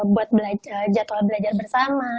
buat jadwal belajar bersama